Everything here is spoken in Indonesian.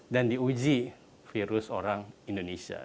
diuji virus orang indonesia